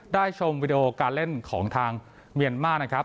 ชมวิดีโอการเล่นของทางเมียนมาร์นะครับ